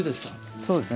そうですね